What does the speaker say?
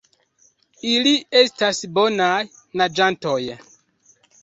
Ili estas bonaj naĝantoj.